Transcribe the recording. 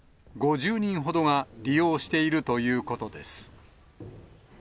５０人ほどが利用しているということです。